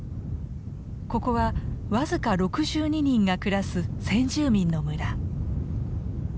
ここは僅か６２人が暮らす先住民の村。